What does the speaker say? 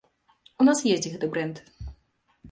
У нас ёсць гэты брэнд.